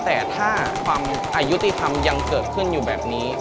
แต่ถ้าความอายุติธรรมยังเกิดขึ้นอยู่แบบนี้